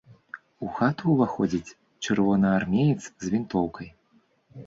У хату ўваходзіць чырвонаармеец з вінтоўкай.